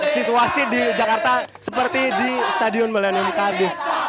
situasi di jakarta seperti di stadion balenum cardiff